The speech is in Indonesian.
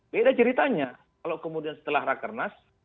beda ceritanya kalau kemudian setelah rakernas